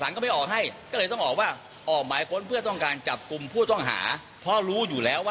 ทีนี้บิ๊กโจ๊กก็เลยมองว่ามันเหมือนกับว่าร่วมกันปกปิดข้อเท็จจริงต่อสารเดี๋ยวลองฟังเสียงดูนะคะ